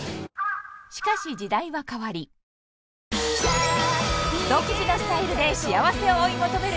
しかし時代は変わり独自のスタイルで幸せを追い求める